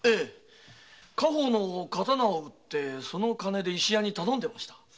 家宝の刀を売ってその金で石屋に頼んでました。